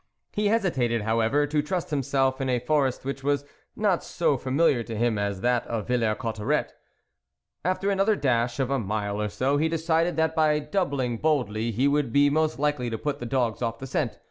He hesitated, however, to trust himself in a forest which was not so familiar to him as that of Villers Cot terets. After another dash of a mile or so, he decided that by doubling boldly he would be most likely to put the dogs off the scent.